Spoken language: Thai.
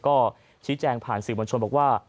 ก็ชี้แจงผ่านสื่อมวลชนบอกว่า